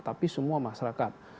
tapi semua masyarakat